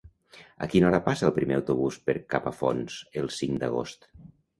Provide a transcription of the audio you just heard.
A quina hora passa el primer autobús per Capafonts el cinc d'agost?